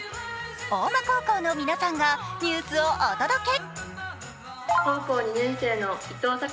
大間高校の皆さんがニュースをお届け。